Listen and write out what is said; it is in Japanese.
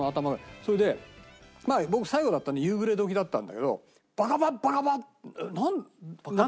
それで僕最後だったんで夕暮れ時だったんだけど。なんていうの？